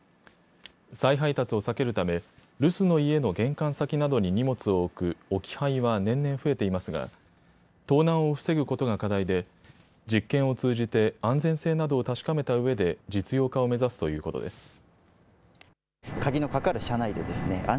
再配達を避けるため留守の家の玄関先などに荷物を置く置き配は年々増えていますが盗難を防ぐことが課題で実験を通じて安全性などを確かめたうえで実用化を目指すということです。